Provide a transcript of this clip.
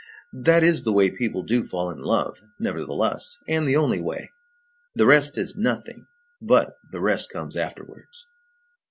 That is the way people do fall in love, nevertheless, and the only way. The rest is nothing, but the rest comes afterwards.